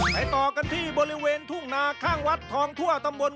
ต่อกันที่บริเวณทุ่งนาข้างวัดทองทั่วตำบล